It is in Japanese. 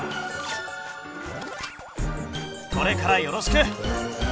これからよろしく！